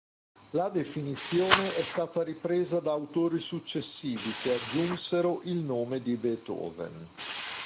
La definizione è stata ripresa da autori successivi che aggiunsero il nome di Beethoven.